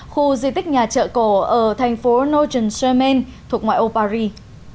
khu di tích nhà chợ cổ ở thành phố nogent sermaine thuộc ngoại ô paris